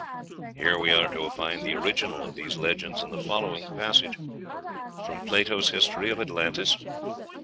Are we to find the original of these legends in the following passage from Plato's history of Atlantis?